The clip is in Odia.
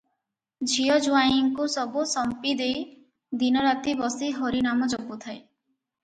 ଝିଅ ଜୁଆଇଁଙ୍କୁ ସବୁ ସମ୍ପିଦେଇ ଦିନ ରାତି ବସି ହରି ନାମ ଜପୁଥାଏ |